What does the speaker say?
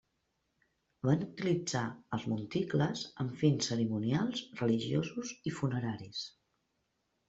Van utilitzar els monticles amb fins cerimonials, religiosos i funeraris.